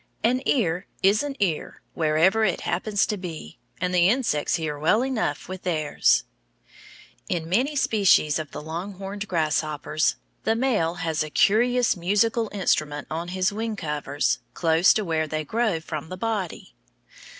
An ear is an ear wherever it happens to be, and the insects hear well enough with theirs. In many species of the longhorned grasshoppers, the male has a curious musical instrument on his wing covers, close to where they grow from the body.